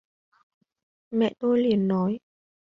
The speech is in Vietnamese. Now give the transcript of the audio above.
mẹ tôi liền nói